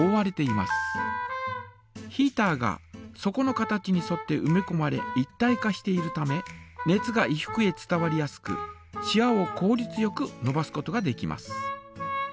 ヒータが底の形にそってうめこまれ一体化しているため熱が衣服へ伝わりやすくしわをこうりつよくのばすことができます。